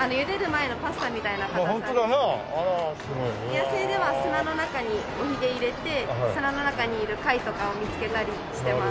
野生では砂の中におヒゲ入れて砂の中にいる貝とかを見つけたりしてます。